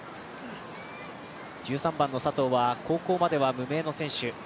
１３番の佐藤は高校までは無名の選手。